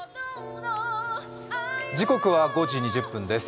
時刻は５時２０分です。